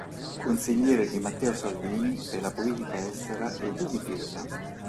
Consigliere di Matteo Salvini per la politica estera e di difesa.